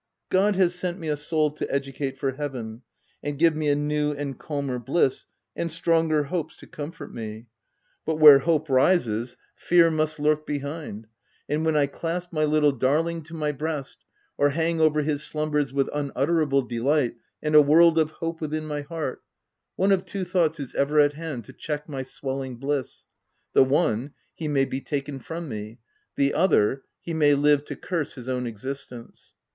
God has sent me a soul to educate for heaven, and give me a new and calmer bliss, and stronger hopes to comfort me. But where hope OF WILDFELL HALL. 149 rises fear must lurk behind, and when I clasp my little darling to my breast, or hang over his slumbers with unutterable delight, and a world of hope within my heart, one of two thoughts is ever at hand to check my swelling bliss ; the one : He may be taken from me ; the other : He may live to curse his own existence.